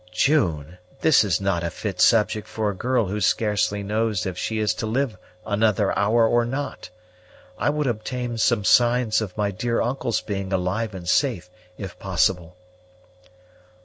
"June! this is not a fit subject for a girl who scarcely knows if she is to live another hour or not. I would obtain some signs of my dear uncle's being alive and safe, if possible."